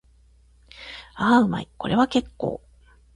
ああ、うまい。これは結構。